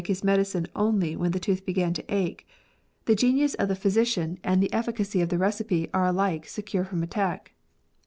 his medicine only when the tooth began to ache, the genius of the physician and the efficacy of the recipe are alike secure from attack.